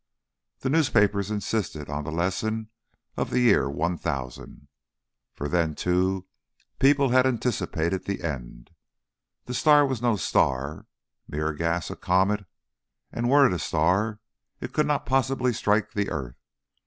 The newspapers insisted on the lesson of the year 1000 for then, too, people had anticipated the end. The star was no star mere gas a comet; and were it a star it could not possibly strike the earth.